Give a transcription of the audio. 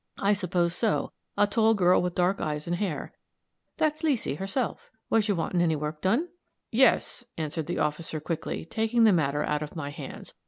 I suppose so a tall girl with dark eyes and hair." "That's Leesy, herself. Was you wanting any work done?" "Yes," answered the officer, quickly, taking the matter out of my hands.